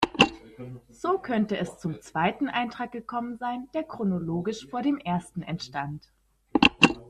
So könnte es zum zweiten Eintrag gekommen sein, der chronologisch vor dem ersten entstand.